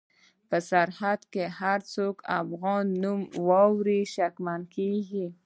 په سرحد کې هر څوک چې د افغان نوم واوري شکمن کېږي.